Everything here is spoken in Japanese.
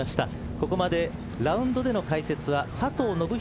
ここまでラウンドでの解説は佐藤信人